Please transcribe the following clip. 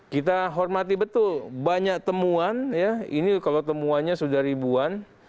kita hormati betul banyak temuan ini kalau temuannya sudah ribuan